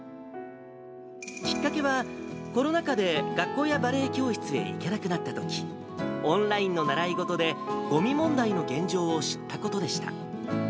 きっかけは、コロナ禍で学校やバレエ教室へ行けなくなったとき、オンラインの習い事でごみ問題の現状を知ったことでした。